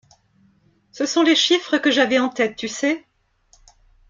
Ce sont les chiffres que j'avais en tête, tu sais.